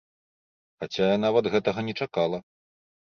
Хаця я нават гэтага не чакала.